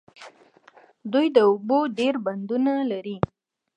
دوی د اوبو ډیر بندونه لري.